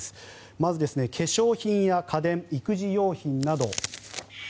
まず化粧品や家電、育児用品など。